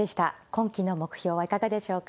今期の目標はいかがでしょうか。